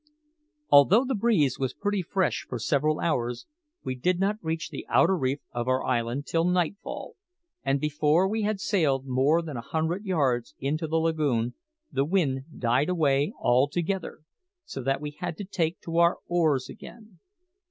Although the breeze was pretty fresh for several hours, we did not reach the outer reef of our island till nightfall; and before we had sailed more than a hundred yards into the lagoon, the wind died away altogether, so that we had to take to our oars again.